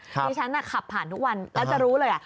ที่ฉันขับผ่านทุกวันแล้วจะรู้เลย